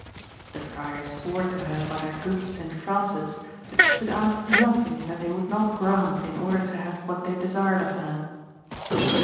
The friars swore to her by their good St. Francis that she could ask nothing that they would not grant in order to have what they desired of her.